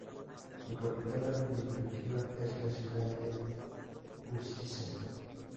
Su capital administrativa es la ciudad de Užice.